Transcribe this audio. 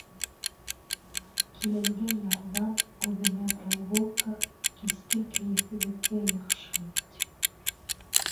Киленгә ярҙам, үҙеңә прогулка, киске кәйефегеҙгә яҡшылыҡ тип.